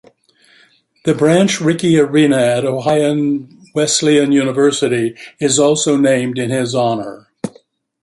The Branch Rickey Arena at Ohio Wesleyan University is also named in his honor.